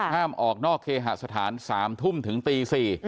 ห้ามออกนอกเคหสถาน๓ทุ่มถึงตี๔